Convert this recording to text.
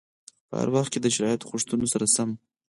په هر وخت کې د شرایطو غوښتنو سره سم.